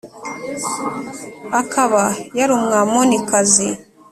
Akaba yari Umwamonikazi .